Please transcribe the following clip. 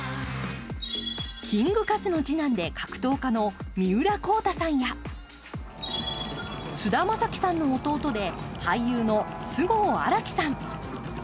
キングカズの次男で格闘家の三浦孝太さんや、菅田将暉さんの弟で俳優の菅生新樹さん。